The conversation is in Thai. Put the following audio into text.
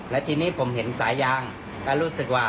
แล้วทีนี้ผมเห็นสายยางก็รู้สึกว่า